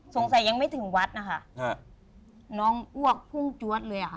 สงสัยยังไม่ถึงวัดนะคะน้องอ้วกพุ่งจ้วดเลยอะ